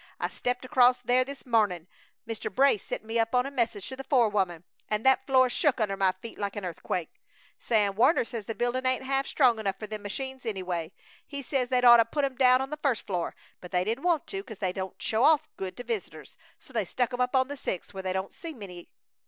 I stepped acrost there this mornin' Mr. Brace sent me up on a message to the forewoman an' that floor shook under my feet like a earthquake! Sam Warner says the building ain't half strong enough fer them machines, anyway. He says they'd oughtta put 'em down on the first floor; but they didn't want to 'cause they don't show off good to visitors, so they stuck 'em up on the sixth, where they don't many see 'em.